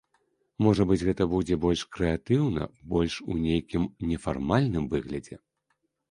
Можа быць, гэта будзе больш крэатыўна, больш у нейкім нефармальным выглядзе.